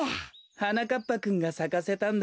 はなかっぱくんがさかせたんだ。